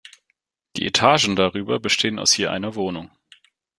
Die Etagen darüber bestehen aus je einer Wohnung.